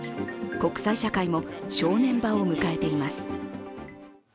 国際社会も正念場を迎えています。